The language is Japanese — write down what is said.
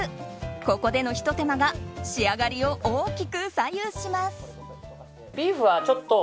ここでの、ひと手間が仕上がりを大きく左右します。